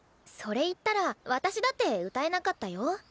それ言ったら私だって歌えなかったよ？